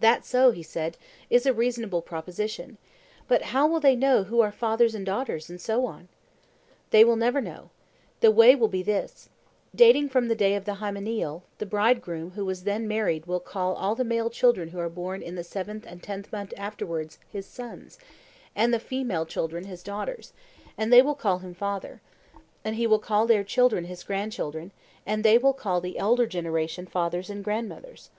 That also, he said, is a reasonable proposition. But how will they know who are fathers and daughters, and so on? They will never know. The way will be this:—dating from the day of the hymeneal, the bridegroom who was then married will call all the male children who are born in the seventh and tenth month afterwards his sons, and the female children his daughters, and they will call him father, and he will call their children his grandchildren, and they will call the elder generation grandfathers and grandmothers.